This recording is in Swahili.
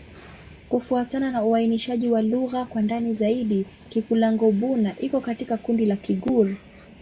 Kufuatana na uainishaji wa lugha kwa ndani zaidi, Kikulango-Bouna iko katika kundi la Kigur.